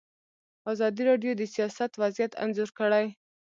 ازادي راډیو د سیاست وضعیت انځور کړی.